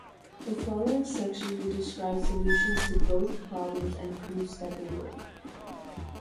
The following sections will describe solutions to both problems and proofs that they work.